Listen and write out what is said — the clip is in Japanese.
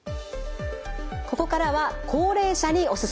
ここからは高齢者におすすめ！